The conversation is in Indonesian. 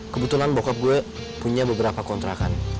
kebetulan bokap gue punya beberapa kontrakan